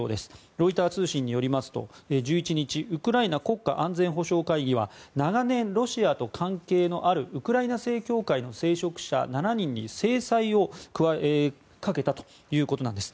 ロイター通信によりますと１１日ウクライナ国家安全保障会議は長年、ロシアと関係のあるウクライナ正教会の聖職者７人に制裁をかけたということです。